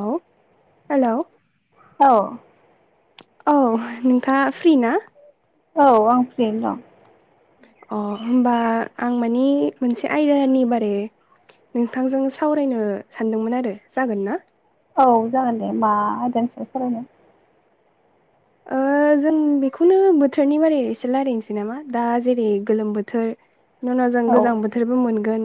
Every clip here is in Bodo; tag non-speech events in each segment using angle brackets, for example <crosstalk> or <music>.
औ हेलौ। औ औ नोंथाङा फ्रि ना? औ आं फ्रियैनो दं। अ होमबा आं मानि मोनसे आयदानि बारै नोंथांजों सावरायनो सानदोंमोन आरो जागोन ना? औ जागोन दे मा आयदानि सायाव सावरायनो? ओ जों बेखौनो बोथोरनि बारै एसे रायलायनोसै नामा दा जेरै गोलोम बोथोर नि उनाव जों औ गोजां बोथोरबो मोनगोन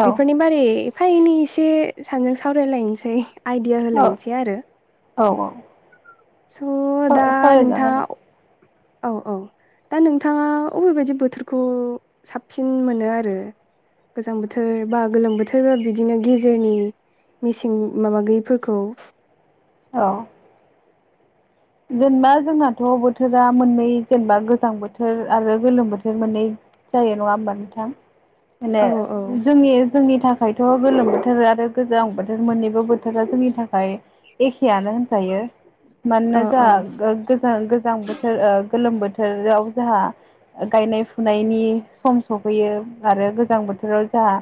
औ बेफोरनि बारे एफा एनै एसे सानैजों सावरायलायनोसै आइडिया औ होलायनोसै आरो। औ औ। अह दा सावरायजागोन नोंथाङा दे औ औ दा नोंथाङा अबे बदि बोथोरखौ साबसिन मोनो आरो। गोजां बोथोर बा गोलोम बोथोर बिदिनो गेजेरनि मेसें माबा गैयिफोरखौ अह जेनेबा जोंनाथ' बोथोरा मोननै जेनेबा गोजां बोथोर आरो गोलोम बोथोर मोननै जायो नङा होमबा नोंथां माने औ औ जोंनि जोंनि थाखायथ' गोलोम बोथोर आरो गोजां बोथोर मोननैबो बोथोरा जोंनि थाखाय एखेयानो होनजायो औ मानोना औ जोंहा गोज गोजां बोथो ओ गोलोम बोथोराव जोंहा गायनाय फुनायनि सम सफैयो आरो गोजां बोथोराव जोंहा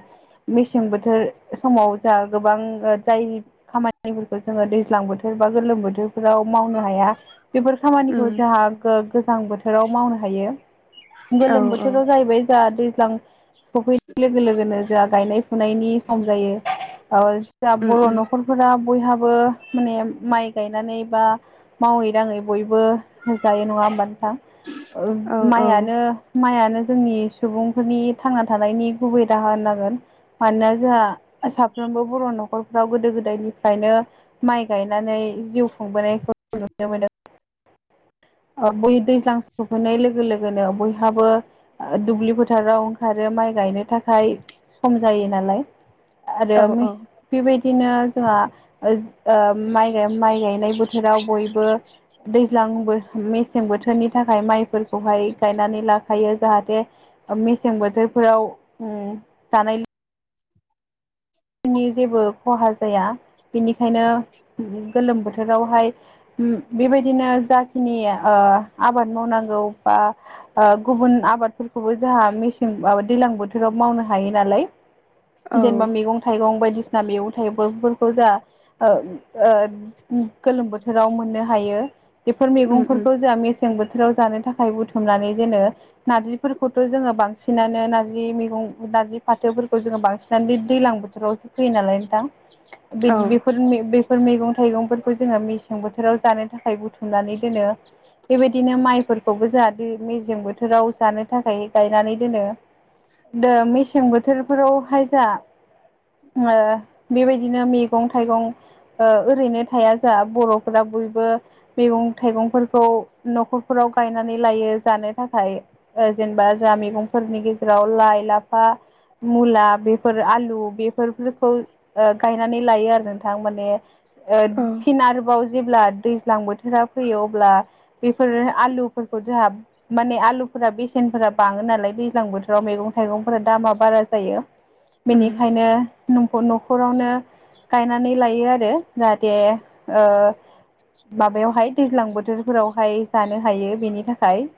मेसें बोथोर समाव जा गोबां जाय खामानिफोरखौ जोङो दैज्लां बोथोर बा गोलोम बोथोरफोराव माव मावनो हाया बेफोर खामानिखौ उम जोंहा गोजां बोथोराव मावनो हायो। औ गोलोम औ बोथोराव जाहैबाय जोंहा दैज्लां सफैनाय लोगो लोगोनो जोंहा गायनाय फुनायनि सम जायो जा उम बर' उम न'खर फोरा बयहाबो माने माइ गायनानै बा मावै दाङै बयबो जायो नङा होमब नोंथां औ औ माइयानो माइयानो जोंनि सुबुंफोरनि थांना थानायनि गुबै राहा होननांगोन। मानोना जोंहा साफ्रोमबो बर' न'खरफ्राव गोदो गोदायनिफ्रायनो माइ गायनानै जिउ खुंबोनायखौ नुनो मोनो आरो। <inaudible> ओ बै दैज्लां सहैनाय लोगो लोगोनो बयहाबो ओ दुब्लि फोथाराव ओंखारो माइ गायनो थाखाय सम जायो नालाय। आरो औ मे औ बेबायदिनो जोंहा ओज ओ माइ गाय माइ गायनाय बो थोराव बयबो दैज्लां बो मेसें बोथोरनि थाखाय माइफोरखौहाय गायनानै लाखायो जाहाथे ओ मेसें बोथोरफोराव उम जानाय नि जेबो खहा जाया बेनिखायनो गोलोम बोथोरावहाय उम बेबायदिनो जाखिनि ओ आबाद मावनांगौ बा ओ गुबुन आबादफोरखौबो जोंहा मेसें माबा दैजलां बोथोराव मावनो हायो नालाय। औ जेनेबा मैगं थाइगं बायदिसिना मैगं थाइगंफोरखौ जाहा ओ ओ उम गोलोम बोथोराव मोननो हायो बेफोर उम उम मैगंफोरखौ जोंहा मे सें बोथोराव जानो थाखाय बुथुमनानै दोनो। नारजिफोरखौथ' जोङो बांसिनानो नारजि मैगं नारजि फाथोफोरखौ जोङो बांसिनानो दै-दैलां बो रावसो फैयो नालाय नोंथां औ बेद बेफोर मे बे फोर मैगं थाइगंफोरखौ जोङो मेसें बोथोराव जानो थाखाय बुथुमनानै दोनो। बेबायदिनो माइफोरखौबो जोंहा दै मेसें बोथोराव जानो थाखाय गायनानै दोनो। दो मेसें बोथोरफोरावहाय जाहा ओ बेबायदिनो मैगं थाइगं ओ ओरैनो थाया जाहा बर'फोरा बयबो मेगं थाइगंफोरखौ न'खरफोराव गायनानै लायो जानो थाखाय। ओ जेनेबा जोंहा मैगंफोरनि गेजेराव लाइ लाफा मुला बेफोर आलु बे बेफोरखौ ओ गायनानै लायो आरो नोंथां माने ओ फिन आरोबाव जेब्ला दैज्लां बोथोरा फैयो अब्ला बेफोर आलुफोरखौ जोंहा माने आलुफोरा बेसेनफोरा बांङो नालाय दैज्लां बोथोराव मैगं थाइगंफोरा दामा बारा जायो। उम बेनिखायनो नंख' न'खरावनो गायनानै लायो आरो जाहाथे ओ माबायावहाय दैज्लां बोथोरफोरावहाय जानो हायो बेनि थाखाय।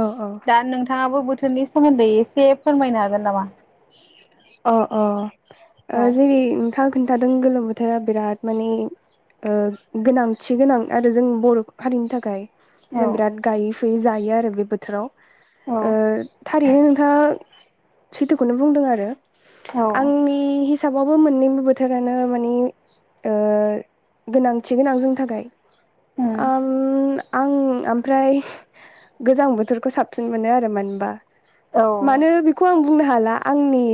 औ औ। दा नोंथाङाबो बोथोरनि सोमोन्दै एसे फोरमायनो हागोन नामा? अ अ ओ औ जेरै नों थां खोन्थादों गोलोम बोथोरा बिराद माने ओ गोनांथि गोनां आरो जों बर' हारिनि थाखाय औ जों बिराद गायै फुयो जायो आरो बे बोथोराव औ ओ थारैनो नोंथाङा सैथोखौनो बुंदों आरो औ आंनि हि साबावबो मोननैबो बोथोरानो माने ओ गोनांथि गोनां जोंनि थाखाय उम ओम आं ओमफ्राय गोजां बोथोरखौ साबसिन मोनो आरो मानोबा। औ ओ मानो बेखौ आं बुंनो हाला आंनि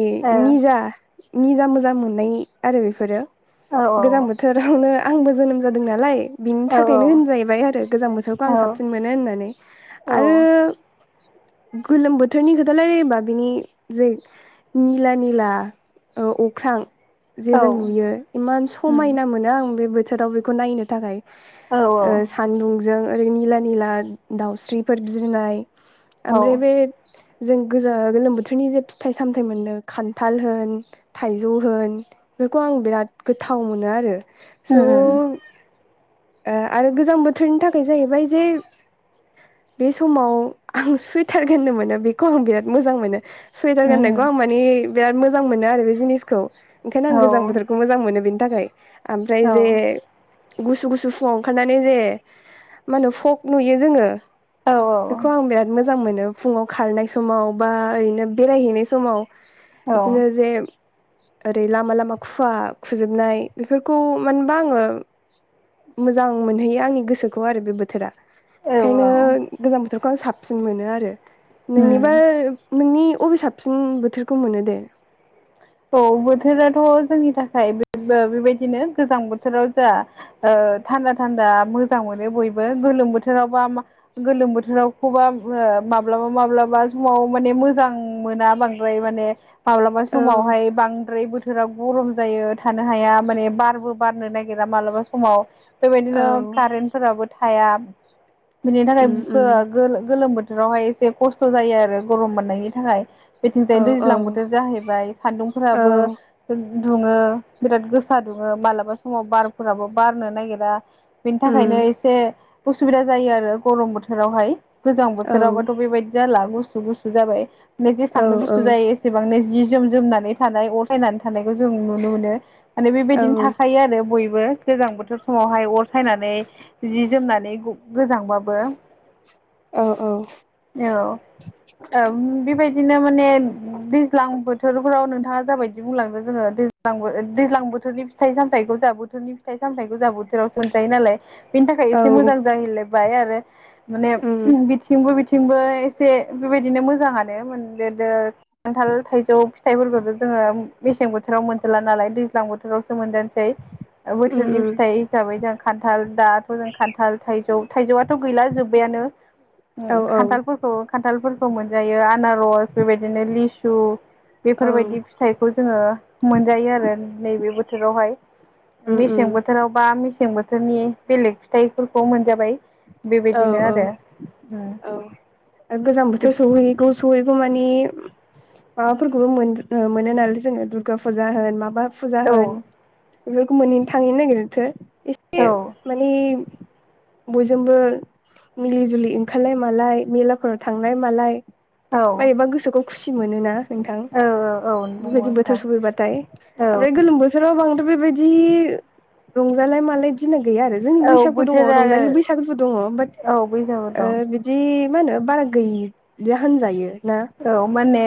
निजा निजा मोजां मोननाय आरो बेफोरो औ गोजां बो औ थोरावनो आंबो जोनोम जादों नालाय। बिनि थाखायनो होनजाहैबाय आरो गोजां बोथोरखौ औ आं साबसिन मोनो होननानै आरो औ गोलोम बोथोरनि खोथा लायरायोबा बिनि जे निला निला ओ अख्रां जे जों नुयो इमान उम समायना मोनो आं बे बोथोराव बेखौ नायनो थाखाय। औ ओ सान्दुंजों ओरै निला निला दाउस्रिफोर बिरनाय। औ ओमफ्राय बे जों गोजा गोलोम बोथोरनि जे फिथाइ सामथाइ मोनो खान्थाल होन थाइजौ होन बेफोरखौ आं बिराद गोथाव मोनो आरो। उम उम सोब ओ आरो गोजां बोथोरनि थाखाय जाहैबाय जे बे समाव आं सुइटार गाननो मोनो बेखौ आं बिराद मोजां मोनो। सुइटार उम गाननायखौ आं माने बिराद मोजां मोनो आरो बे जिनिसखौ ओंखायनो आं औ गोजां बोथोरखौ मो मोजां मोनो बेनि थाखाय। ओमफ्राय औ जे गुसु गुसु फुङाव ओंखारनानै जे मा होनो फक नुयो जोङो। औ बेखौ आं बिराद मोजां मोनो फुङाव खारनाय समाव बा ओरैनो बेरायहैनाय समाव औ बिदिनो जे ओरै लामा लामा खुवा खुजोबनाय बेफोरखौ मानोबा आङो मोजां मोनहैयो आंनि गोसोखौ आरो बे बोथोरा। औ ओंखायनो गोजां बोथोरखौ आं साबसिन मोनो आरो। उम नोंनिबा नोंनि बबे साबसिन बोथोरखौ मोनो दे? औ बोथोराथ' जोंनि थाखाय बेबायदिनो गोजां बोथोराव जा ओ थान्दा थान्दा मोजां मोनो बयबो गोलोम बोथोरावबा मा गोलोम बोथोरावखौबा ओ माब्लाबा माब्लाबा समाव माने मोजां मोना बांसि बाय माने माब्लाबा उम समावहाय बांद्राय बोथोराव गरम जायो थानो हाया माने बारबो बारनो नागिरा मालाबा समाव। बेबायदिनो कारेन्टफोराबो थाया। बिनि थाखाय उम गो गोलोम बोथोरावहाय एसे खस्थ' जायो आरो गरम मोननायनि थाखाय। औ मिथिंजाय औ दैज्लां बोथोर जाहैबाय औ सान्दुंफोराबो दुङो बिराद गोसा दुङो मालाबा समाव बारफोराबो बारनो नागिरा। बेनि थाखायनो उम एसे उसुबिदा जायो आरो गरम बोथोरावहाय। गोजां औ बोथोरावबाथ' बेबायदि जाला गुसु गुसु जाबाय नेजे औ सांनो गुसु जायो। एसेबांनो जि जोम जोमनानै थानाय अर फायनानै थानायखौ जों नुनो मोनो। माने औ बेबायदिनो थाखायो आरो बयबो गोजां बोथोर फुङावहाय अर सायनानै जि जोमनानै गोजांबाबो औ औ। औ औ बेबायदिनो माने दैज्लां बोथ बोथोरफ्राव नोंथाङा जाबायदि बुंलांदों जोङो दैज्लां दैज्लां बोथोरनि फिथाइ सामथायाइखौ जा बोथोरनि फिथाइ सामथाय गोजां बोथोराव मोनजायो नालाय। बेनि थाखाय औ एसे मोजां जाहैलायबाय आरो माने उम बि बिथिंबो बिथिंबो एसे बेबायदिनो मोजाङानो मोनद्रायदों खान्थाल थाइजौ फिथाइफोरखौथ' जोङो मेसें बोथोराव मोनजोबला नालाय दैज्लां बोथोरावसो मोनजानोसै। उम बोथोरनि उम फिथाइ हिसाबै जों खान्थाल दाथ' जों खान्थाल थाइजौ थाइजौआथ' गैला जोब्बायानो। ओ औ औ खान्थालफोरखौ खान्थालफोरखौ मोनजायो आनारस बेबायदिनो लिसु। औ बेफोरबायदि फिथाइखौ जोङो मोनजायो आरो नैबे बोथोरावहाय। उम मेसें उम बोथोराव बा मेसें बोथोरनि बेलेग फिथाइफोरखौ मोनजाबाय। औ बेबायदिनो औ आरो। औ गोजां बोथोर सौहैगौ सहैगौ मानि माबाफोरखौबो मोन मोनो नालाय जोङो दुर्गा फुजा होन माबा फुजा औ होन बेफोरखौ मोनहैनो थांहैनो नागिरथो एसे औ माने बयजोंबो मिलि जुलि ओंखारनाय मालाय मेलाफोराव थांनाय मालाय औ मोरेबा गोसोखौ खुसि मोनोना नोंथां। औ औ <inaudible> नंगौ बेबायदि बोथोर नोंथां सफैबाथाय औ ओमफ्राय गोलोम बोथोर बोसोराव बांथ' बेबायदि रंजालाय मालाय दिना गैया आरो। जोंनि औ बैसागु दङ बोथोरा रंजालि बैसागुबो दङ बाट औ बैसागु ओ दं बिदि मा होनो बारा गैदि होनजायो ना। औ माने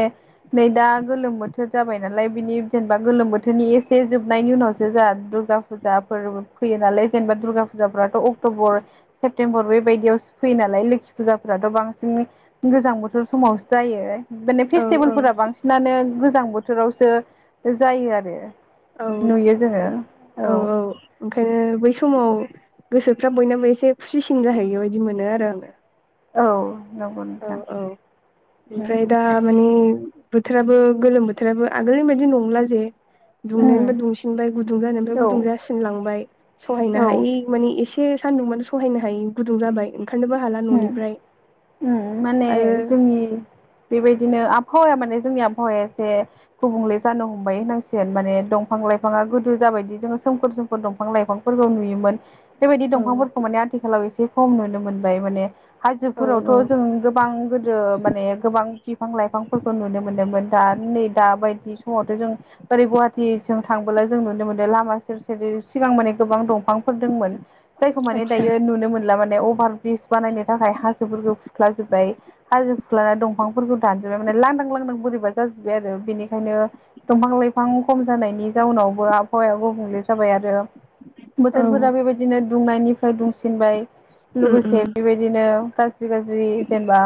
नै दा गोलोम बोथोर जाबाय नालाय बिनि जेनेबा गोलोम बोथोरनि एसे जोबनायनि उनावसो जोंहा दुर्गा फुजाफोरबो फैयो नालाय जेनेबा दुर्गा फुजाफ्राथ' अक्ट'बर सेप्तेम्बर बे बायदियावसो फैयो नालाय लोखि फुजाफोराथ' बांसिन गोजां बोथोर समाव जायो माने औ फेस्टिभेलफोरा बांसिनानो गोजां बोथोरावसो जायो आरो। औ नुयो जोङो औ। ओंखायनो बै समाव गोसोफ्रा बयनाबो एसे खुसिसिन जाहैयो बायदि मोनो आरो आङो। औ नंगौ औ नोंथां औ उम ओमफ्राय दा माने बोथोराबो गोलोम बोथोराबो आगोलनि बायदि नंला जे उम दुंनायनिफ्राय दुंसिनबाय गुदुं जानायनिफ्राय औ गुदुं जासिन लांबाय सहायनो औ हायै माने एसे सान्दुंबाथ सहायनो हायै गुदुं जाबाय ओंखारनोबो हाला उम न'निफ्राय उम माने आरो जोंनि बेबायदिनो आबहावाया माने जोंनि आबहावाया एसे गुबुंले जानो हमबाय होनांसिगोन माने दंफां लाइफाङा गोदो जाबायदि जोङो सोमखोर सोमखोर दंफां लाइफांफोरखौ नुयोमोन बेबायदि औ दंफांफोरखौ माने आथिखालाव एसे खम नुनो मोनबाय माने औ हायजोफोरावथ' औ जों गोबां गो ओ माने गोबां बिफां लाइफांफोरखौ नुनो मोनदोंमोन दा नै दा बायदि समावथ' जों ओरै गुवाहाटिजों थांबोला जों नुनो मोनदों लामा सेर सेर सिगां माने गोबां दंफांफोर दोंमोन जायखौ माने आदसा दायो नुनो मोनला माने अभार ब्रिज बानायनो थाखाय हासोफोरखौ खुख्लाजोब्बाय हाजो खुख्ला दंफांफोरखौ दानजोबबाय माने लांदां लांदां बोरैबा जाजोब्बाय आरो बेनिखायनो दंफां लाइफां खम जानायनि जाउनावबो आबहावाया गुबुंले जाबाय आरो औ बोथोरफोरा बेबायदिनो दुंनायनिफ्राय दुंसिनबाय उम लोगोसे उम बेबायदिनो गाज्रि गाज्रि जेनेबा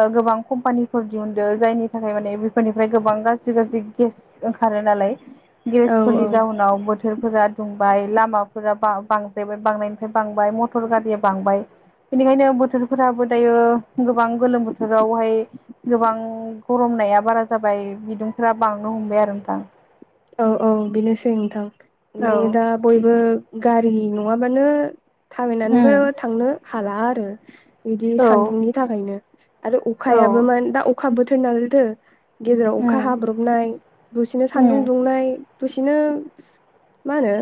ओ गोबां कम्पानिफोर दिहुनदों जायनि थाखाय माने बेफोरनिफ्राय गोबां गाज्रि गाज्रि गेस ओंखारो नालाय औ औ गेरेसफोरनि जाउनाव बोथोर फोरा दुंबाय लामाफोरा बांद्रायबाय बांनायनिफ्राय बांबाय मटर गारिया बांबाय बेनिखायनो बोथोरफोराबो दायो गोबां गोलोम बोथोरावहाय गोबां गरमनाया बारा जाबाय बिदुंफ्रा बांनो हमबाय आरो नोंथां औ औ बेनोसै नोंथां औ माने दा बयबो गारि नङाबानो थाबायनानैबो उम थांनो हाला आरो बिदि औ सान्दुंनि थाखायनो आरो औ अखायाबो मान दा अखा बोथोर न लदो गेजेराव अखा उम हाब्रबनाय दसेनो सानदुं उम दुंनाय दसेनो मा होनो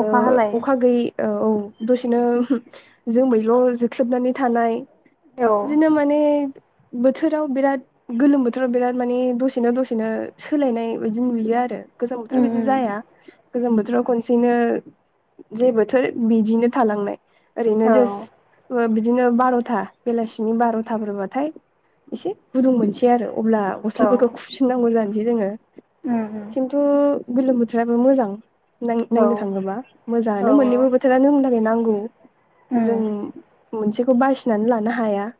अखा हालाय अखा गैयै औ औ दसेनो जों बैल' जोख्लेबनानै थानाय औ बिदिनो मान माने बोथोराव बिराद गोलोम बोथोराव बिराद माने दसेनो दसेनो सोलायनाय बिदि नुयो आरो गोजां बोथोराव उम बिदि उम जाया गोजां बोथोराव खनसेनो जे बोथोर बिदिनो थालांनाय ओरैनो औ जोस्ट बिदिनो बार'था बेलासिनि बार'थाफोरबाथाय एसे गुदुं मोनसै आरो अब्ला औ गस्लाफोरखौ खुबफिननांगौ जानोसै जोङो उम उम खिन्थु गोलोम बोथोराबो मोजां औ नायनो थाङोबा मोजाङानो औ मोननैबो बोथोरानो होननि थाखाय नांगौ उम जों मोनसेखौ बासिनानै लानो हाया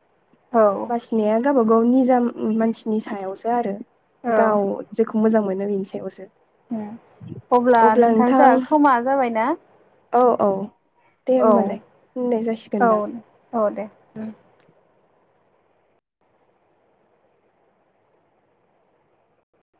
औ फिसिनाया गावबा गाव निजा मानसिनि सायावसो आरो औ गाव जेखौ मोजां मोनो बेनि सायावसो उम अब्ला नोंथां जाहा समा जाबाय ना औ औ दे होमबालाय होननाय औ जासिगोनदां औ दे उम